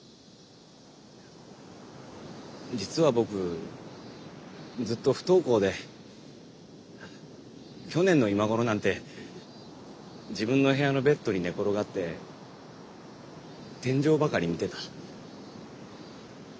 実は僕ずっと不登校で去年の今頃なんて自分の部屋のベッドに寝転がって天井ばかり見てた。